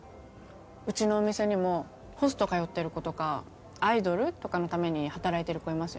うちのお店にもホスト通ってる子とかアイドル？とかのために働いてる子いますよね。